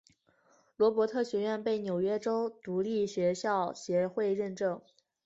罗伯特学院被纽约州独立学校协会认证。